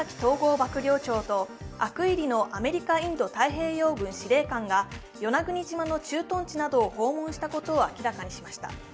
幕僚長とアクイリノ・アメリカ・インド太平洋軍司令官が与那国島の駐屯地などを訪問したことを明らかにしました。